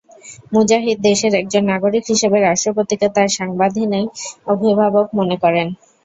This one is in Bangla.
মুজাহিদ দেশের একজন নাগরিক হিসেবে রাষ্ট্রপতিকে তাঁর সাংবিধানিক অভিভাবক মনে করেন।